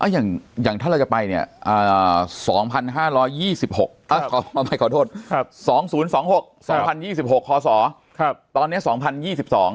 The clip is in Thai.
อย่างถ้าเราจะไปเนี่ย๒๕๒๖ศโคลสตอนนี้๒๐๒๖